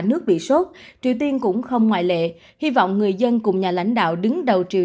nước bị sốt triều tiên cũng không ngoại lệ hy vọng người dân cùng nhà lãnh đạo đứng đầu triều